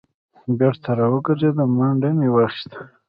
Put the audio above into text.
بېرته را وګرځېدم منډه مې واخیسته.